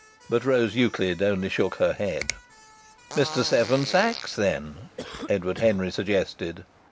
But Rose Euclid only shook her head. "Mr. Seven Sachs, then?" Edward Henry suggested.